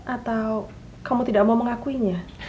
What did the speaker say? atau kamu tidak mau mengakuinya